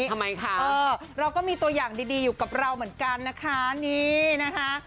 ทำไมคะเออเราก็มีตัวอย่างดีอยู่กับเราเหมือนกันนะคะนี่นะคะ